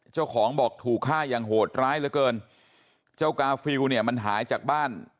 เจ้าของบอกถูกฆ่าอย่างโหดร้ายเหลือเกินเจ้ากาฟิลเนี่ยมันหายจากบ้าน